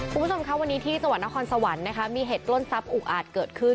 คุณผู้ชมค่ะวันนี้ที่จังหวัดนครสวรรค์นะคะมีเหตุปล้นทรัพย์อุกอาจเกิดขึ้น